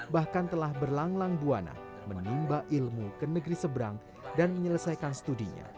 bahkan telah berlanglang buana menimba ilmu ke negeri seberang dan menyelesaikan studinya